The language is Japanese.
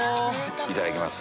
いただきます。